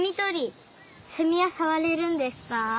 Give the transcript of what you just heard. セミはさわれるんですか？